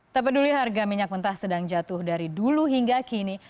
tak peduli harga minyak mentah sedang jatuh dari dulu hingga kini